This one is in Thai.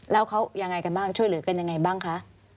แล้วเขายังไงกันบ้างช่วยเหลือกันยังไงบ้างคะ